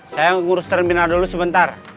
saya ngurus terminal dulu sebentar